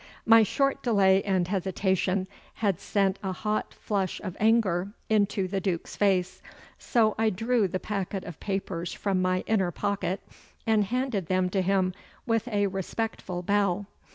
My short delay and hesitation had sent a hot flush of anger into the Duke's face, so I drew the packet of papers from my inner pocket and handed them to him with a respectful bow.